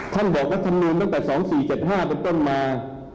ท่านบอกว่าธรรมนุนตั้งแต่๒๔๗๕เป็นต้นมา